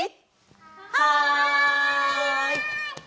はい！